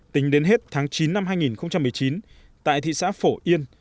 tính đến hết tháng chín năm hai nghìn một mươi chín tại thị xã phổ yên